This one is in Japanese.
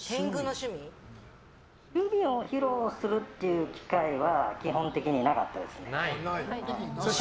趣味を披露する機会は基本的になかったですね